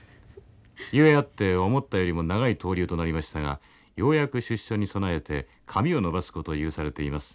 故あって思ったよりも永い逗留となりましたがようやく出所に備えて髪を伸ばす事を許されています。